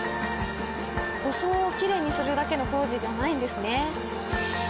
装をきれいにするだけの工事じゃないんですね。